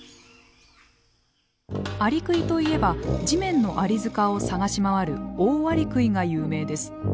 アリクイといえば地面のアリ塚を探し回るオオアリクイが有名です。